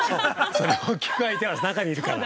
◆それを聞く相手は中にいるから。